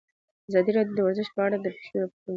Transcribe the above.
ازادي راډیو د ورزش په اړه د پېښو رپوټونه ورکړي.